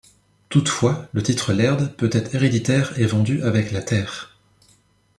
Toutefois, le titre Laird peut être héréditaire et vendu avec la terre.